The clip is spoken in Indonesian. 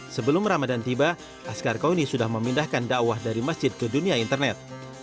sebelum ramadan tiba askar kauni sudah memindahkan dakwah dari masjid ke dunia internet